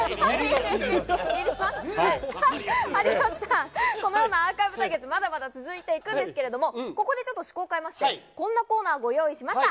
さあ、有吉さん、このようなアーカイブ対決、これからも続いていくんですけれども、ここでちょっと趣向を変えまして、こんなコーナーご用意しました。